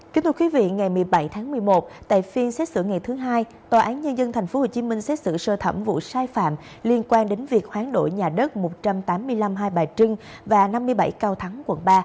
kính thưa quý vị ngày một mươi bảy tháng một mươi một tại phiên xét xử ngày thứ hai tòa án nhân dân tp hcm xét xử sơ thẩm vụ sai phạm liên quan đến việc hoán đổi nhà đất một trăm tám mươi năm hai bà trưng và năm mươi bảy cao thắng quận ba